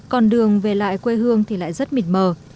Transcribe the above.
còn đường về lại quê hương thì lại rất mịt mờ